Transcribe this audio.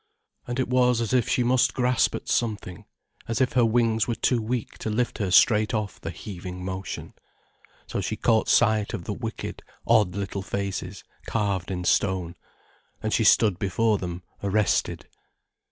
And it was as if she must grasp at something, as if her wings were too weak to lift her straight off the heaving motion. So she caught sight of the wicked, odd little faces carved in stone, and she stood before them arrested.